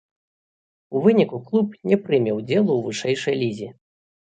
У выніку клуб не прыме ўдзелу ў вышэйшай лізе.